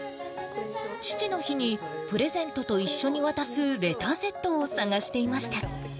父の日に、プレゼントと一緒に渡すレターセットを探していました。